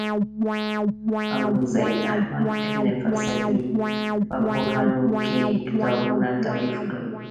ابوزید احمد بن فلسفي په پوهنو کې کتابونه تالیف کړل.